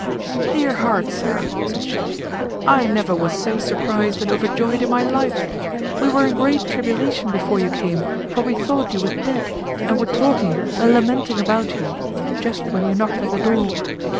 "Dear heart! sir," said she, "I never was so surprised and overjoyed in my life. We were in great tribulation before you came, for we thought you were dead, and were talking, and lamenting about you, just when you knocked at the door.